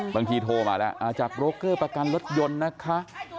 โทรมาแล้วจากโรคเกอร์ประกันรถยนต์นะคะ